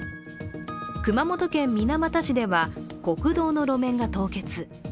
熊本県水俣市では国道の路面が凍結。